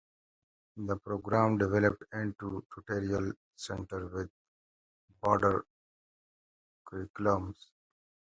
The program developed into a tutorial center with a broader curriculum.